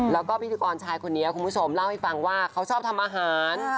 แล้วก็พิธีกรชายคนนี้คุณผู้ชมเล่าให้ฟังว่าเขาชอบทำอาหาร